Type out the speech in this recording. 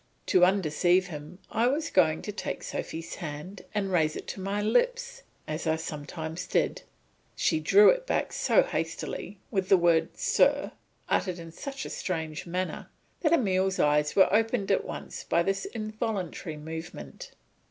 To undeceive him I was going to take Sophy's hand and raise it to my lips as I sometimes did; she drew it back so hastily, with the word, "Sir," uttered in such a strange manner that Emile's eyes were opened at once by this involuntary movement.